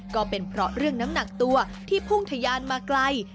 ก็เป็นเพราะเรื่องน้ำหนักตัวที่พุ่งทะยานมาไกล